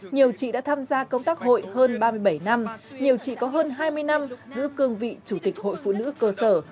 nhiều chị đã tham gia công tác hội hơn ba mươi bảy năm nhiều chị có hơn hai mươi năm giữ cương vị chủ tịch hội phụ nữ cơ sở